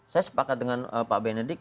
saya sepakat dengan pak benedik